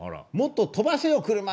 もっと飛ばせよ！車」。